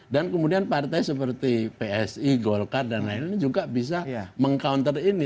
dan kemudian partai seperti psi golkar dan lain lain juga bisa meng counter ini